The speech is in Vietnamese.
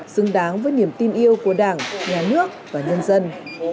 xứng đáng với niềm tin yêu của đảng nhà nước và nhân dân